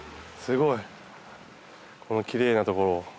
すごいこのきれいなところを。